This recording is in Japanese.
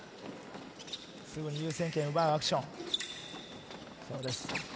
すぐに優先権を奪うアクション。